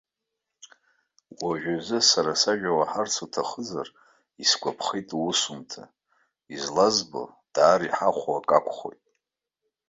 Уажәазы сара сажәа уаҳарц уҭахызар, исгәаԥхеит уусумҭа, излазбо, даара иҳахәо ак акәхоит.